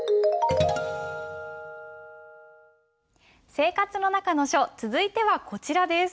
「生活の中の書」続いてはこちらです。